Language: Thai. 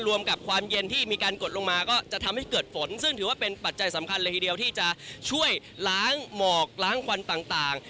รวมกับความเย็นที่มีการกดลงมาก็จะทำให้เกิดฝนซึ่งถือว่าเป็นปัจจัยสำคัญเลยทีเดียวที่จะช่วยล้างหมอกล้างควันต่าง